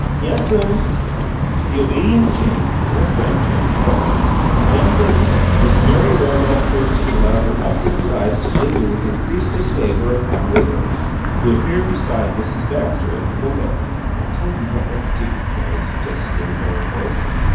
"Yes'm." The obedient Jane and her friend turned to go, and as they went, Miss Mary Randolph Kirsted allowed her uplifted eyes to linger with increased disfavor upon William, who appeared beside Mrs. Baxter at the window. "I tell you what let's do," Rannie suggested in a lowered voice.